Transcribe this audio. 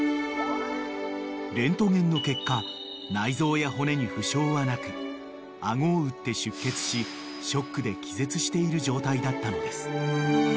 ［レントゲンの結果内臓や骨に負傷はなく顎を打って出血しショックで気絶している状態だったのです］